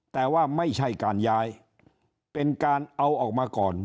แต่ว่าไม่ใช่การย้ายเป็นการเอาออกมาก่อน